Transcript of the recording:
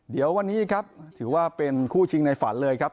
เดี๋ยววันนี้ครับถือว่าเป็นคู่ชิงในฝันเลยครับ